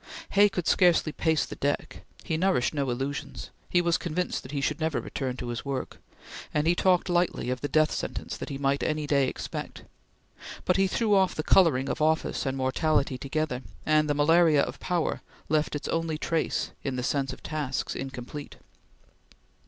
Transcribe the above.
Hay could scarcely pace the deck; he nourished no illusions; he was convinced that he should never return to his work, and he talked lightly of the death sentence that he might any day expect, but he threw off the coloring of office and mortality together, and the malaria of power left its only trace in the sense of tasks incomplete.